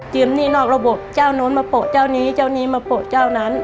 หนี้นอกระบบเจ้าโน้นมาโปะเจ้านี้เจ้านี้มาโปะเจ้านั้น